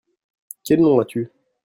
Quel nom as-tu ?